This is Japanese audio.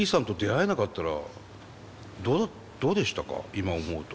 今思うと。